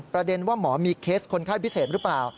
ประเด็นว่าหมอมีเคสคนไข้พิเศษหรือเปล่า